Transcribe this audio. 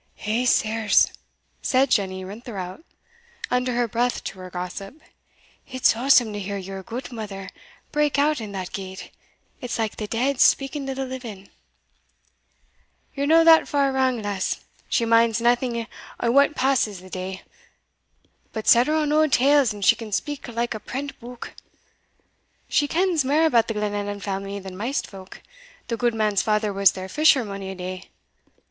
"Eh, sirs!" said Jenny Rintherout, under her breath to her gossip, "it's awsome to hear your gudemither break out in that gait it's like the dead speaking to the living." "Ye're no that far wrang, lass; she minds naething o' what passes the day but set her on auld tales, and she can speak like a prent buke. She kens mair about the Glenallan family than maist folk the gudeman's father was their fisher mony a day.